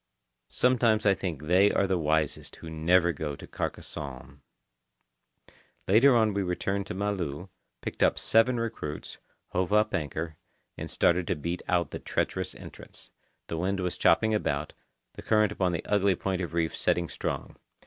Sometimes I think they are the wisest who never go to Carcassonne. Later on we returned to Malu, picked up seven recruits, hove up anchor, and started to beat out the treacherous entrance. The wind was chopping about, the current upon the ugly point of reef setting strong.